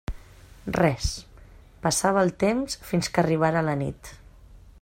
Res: passava el temps, fins que arribara la nit.